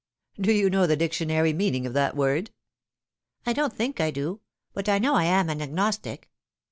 " Do you know the dictionary meaning of that word ?"" I don't think I do ; but I know I am an Agnostic.